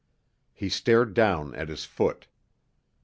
He stared down at his foot.